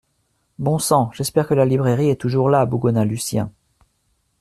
Bon sang, j’espère que la librairie est toujours là, bougonna Lucien.